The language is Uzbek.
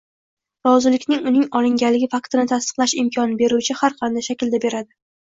rozilikni uning olinganligi faktini tasdiqlash imkonini beruvchi har qanday shaklda beradi.